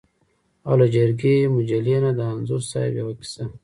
او له جرګې مجلې نه د انځور صاحب یوه کیسه.